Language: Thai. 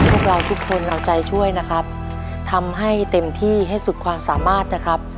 พวกเราทุกคนเอาใจช่วยนะครับทำให้เต็มที่ให้สุดความสามารถนะครับ